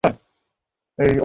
আমরা সবাই-ই স্বেচ্ছাসেবক।